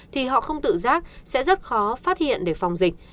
thì họ không tự giác sẽ rất khó phát hiện để phòng dịch